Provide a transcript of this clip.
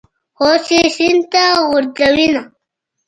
اوس یې سین ته غورځوینه.